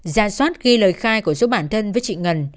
ra soát ghi lời khai của số bản thân với chị ngân